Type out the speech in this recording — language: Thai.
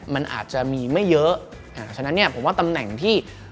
มันอาจจะมีไม่เยอะอ่าฉะนั้นเนี่ยผมว่าตำแหน่งที่